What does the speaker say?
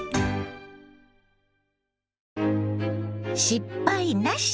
「失敗なし！